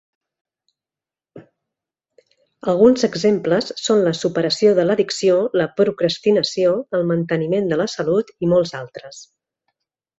Alguns exemples són la superació de l'addicció, la procrastinació, el manteniment de la salut i molts altres.